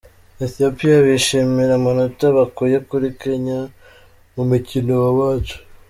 Ethiopia bishimira amanota bakuye kuri Kenya mu mukino wabanje